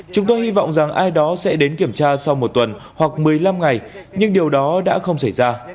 chúng tôi hy vọng rằng ai đó sẽ đến kiểm tra sau một tuần hoặc một mươi năm ngày nhưng điều đó đã không xảy ra